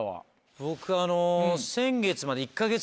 僕あの。